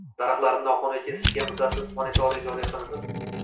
Daraxtlarni noqonuniy kesishga muddatsiz moratoriy joriy qilinib